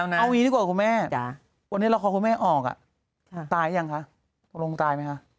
วันนี้ละครของแม่ออกว่ะตายยังคะโรงตายมั้ยค่ะ